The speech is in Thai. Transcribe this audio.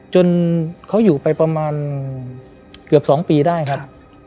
จนเขาอยู่ไปประมาณเกือบ๒ปีได้ครับ